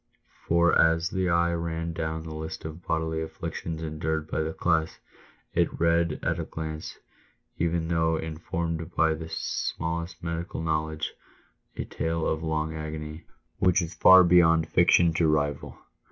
For, as the eye ran down the list of bodily afflictions y endured by the class, it read at a glance, even though informed by the smallest medical knowledge, a tale of long agony, which is far beyond fiction to rival.